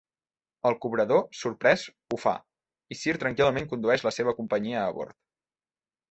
El cobrador, sorprès, ho fa, i Sir tranquil·lament condueix la seva companyia abord.